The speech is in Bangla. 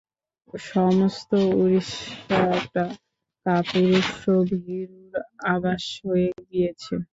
সমস্ত উড়িষ্যাটা কাপুরুষ ও ভীরুর আবাস হয়ে গিয়েছে।